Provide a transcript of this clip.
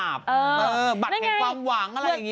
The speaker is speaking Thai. อือบัตรให้ความหวังอะไรแบบนี้